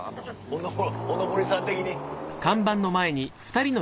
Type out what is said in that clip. お上りさん的に。